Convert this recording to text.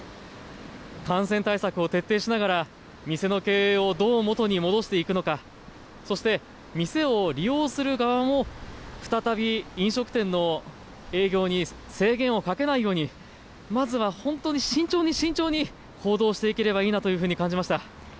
感染対策を徹底しながら店の経営をどう元に戻していくのか、そして店を利用する側も再び飲食店の営業に制限をかけないようにまずは本当に慎重に慎重に行動していければいいなというふうに感じました。